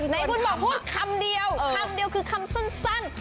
ไหนคุณบอกพูดคำเดียวคำเดียวคือคำสั้น